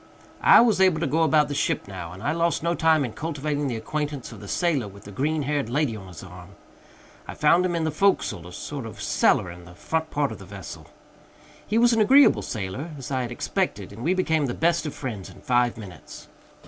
I was able to go about the ship now, and I lost no time in cultivating the acquaintance of the sailor with the green haired lady on his arm. I found him in the forecastle a sort of cellar in the front part of the vessel. He was an agreeable sailor, as I had expected, and we became the best of friends in five minutes.